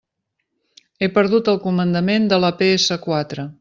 He perdut el comandament de la pe essa quatre.